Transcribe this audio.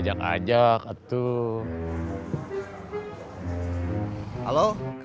sebentar lagi gue sampe